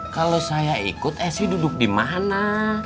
kalau saya ikut esi duduk dimana